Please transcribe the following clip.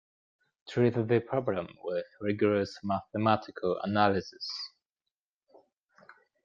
Treat the problem with rigorous mathematical analysis.